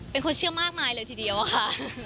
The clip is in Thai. คนเชื่อมากมายเลยทีเดียวค่ะ